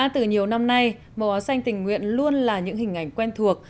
từ nhiều năm nay màu áo xanh tình nguyện luôn là những hình ảnh quen thuộc